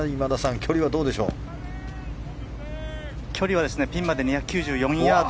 距離はピンまで２９４ヤード。